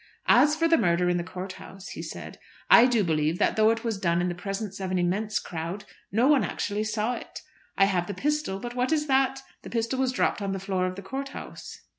"As for the murder in the court house," he said, "I do believe that though it was done in the presence of an immense crowd no one actually saw it. I have the pistol, but what is that? The pistol was dropped on the floor of the court house."